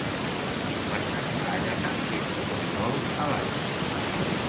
Per Santa Àgata entra el sol a l'aigua.